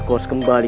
aku harus kembali